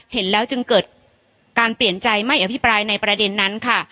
เห็นแล้วจึงเกิดการเปลี่ยนใจไม่อภิปรายในประเด็นนั้นค่ะ